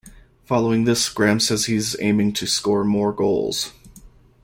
Following this, Graham says he is aiming to score more goals.